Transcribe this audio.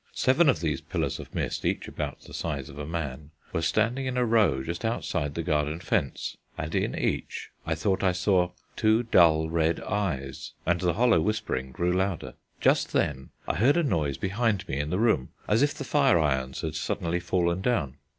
Seven of these pillars of mist, each about the size of a man, were standing in a row just outside the garden fence, and in each I thought I saw two dull red eyes; and the hollow whispering grew louder. Just then I heard a noise behind me in the room, as if the fire irons had suddenly fallen down.